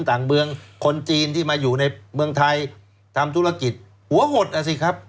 ต่างเมืองคนจีนที่มาอยู่ในเมืองไทยทำธุรกิจหัวหดอ่ะสิครับ